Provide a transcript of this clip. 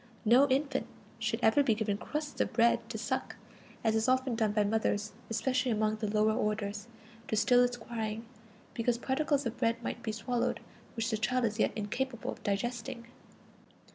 No infant should ever be given crusts of bread to suck, as is often done by mothers, especially among the lower orders, to still its crying, because particles of bread might be swallowed, which the child is yet incapable of digesting.